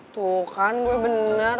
tuh kan gue bener